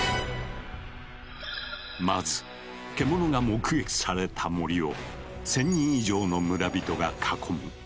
まず獣が目撃された森を１，０００人以上の村人が囲む。